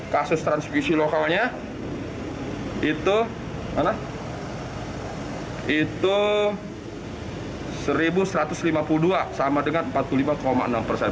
kasus transmisi lokalnya itu satu satu ratus lima puluh dua sama dengan empat puluh lima enam persen